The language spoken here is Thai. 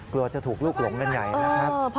กลัวจะถูกลูกหลงกันใหญ่นะครับ